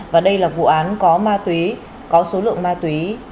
và đây là vụ án có ma túy có số lượng ma túy